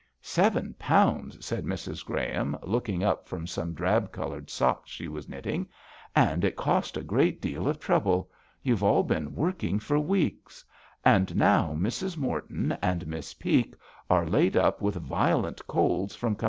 "Seven pounds," said Mrs. Graham, looking up from some drab coloured socks she was knit ting. " And it cost a great deal of trouble ; you've all been work ing for weeks. And now Mrs. Morton and Miss Peake are laid up with violent colds from com THE VIOLIN OBBLIGATO.